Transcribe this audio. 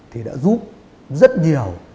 thì đã giúp rất nhiều